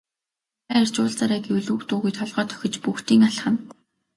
Дараа ирж уулзаарай гэвэл үг дуугүй толгой дохиж бөгтийн алхана.